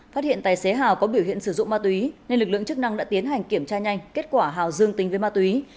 phát hiện tài xế hào có biểu hiện sử dụng ma túy nên lực lượng chức năng đã tiến hành kiểm tra nhanh kết quả hào dương tính với ma túy